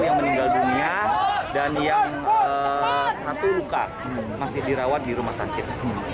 yang meninggal dunia dan yang satu luka masih dirawat di rumah sakit